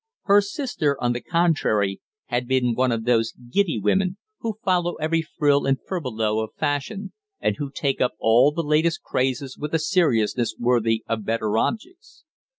Her sister, on the contrary, had been one of those giddy women who follow every frill and furbelow of Fashion, and who take up all the latest crazes with a seriousness worthy of better objects.